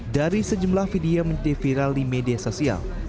dari sejumlah video menjadi viral di media sosial